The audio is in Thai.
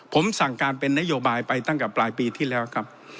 ผมสั่งการเป็นนโยบายไปตั้งแต่ปลายปีที่แล้วครับ